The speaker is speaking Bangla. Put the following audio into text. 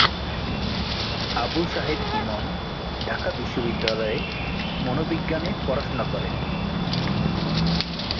আবু শাহেদ ইমন ঢাকা বিশ্ববিদ্যালয়ে মনোবিজ্ঞানে পড়াশোনা করেন।